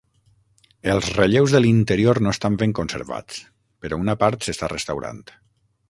Els relleus de l'interior no estan ben conservats, però una part s'està restaurant.